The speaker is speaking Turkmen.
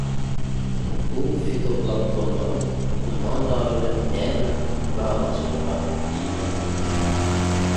Bu fitoplanktonlaryň umman gary bilen näme baglanşygy bar diýýansiňizdir.